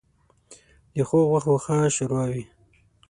ـ د ښو غوښو ښه ښوروا وي.